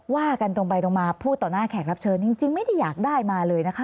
ว่ากันตรงไปตรงมาพูดต่อหน้าแขกรับเชิญจริงไม่ได้อยากได้มาเลยนะคะ